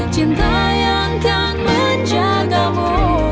cinta yang akan menjagamu